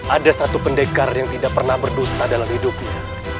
ada satu pendekar yang tidak pernah berdusta dalam hidupnya